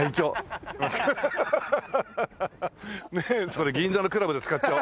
これ銀座のクラブで使っちゃお。